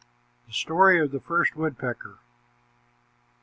THE STORY OF THE FIRST WOODPECKER.